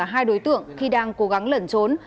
hai đối tượng khi đang cố gắng lẩn trốn